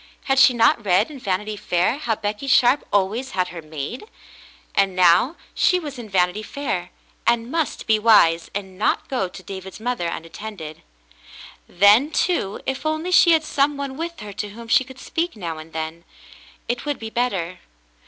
Had she not read in Vanity Fair how Becky Sharp always had her maid ? And now she was in "Vanity Fair," and must be wise and not go to David's mother unattended. Then, too, if only she had some one with her to whom she could speak now and then, it would be better.